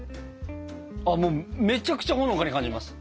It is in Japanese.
ああめちゃくちゃほのかに感じます。